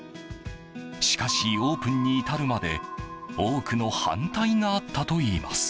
しかし、オープンに至るまで多くの反対があったといいます。